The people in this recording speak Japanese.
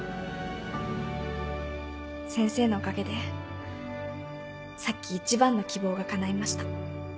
先生のおかげでさっき一番の希望が叶いました。